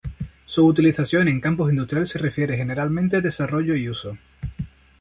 Su utilización en campos industriales se refiere generalmente desarrollo y uso.